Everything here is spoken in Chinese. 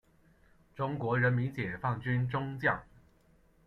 中国人民解放军中将。